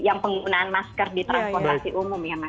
yang penggunaan masker di transportasi umum ya mas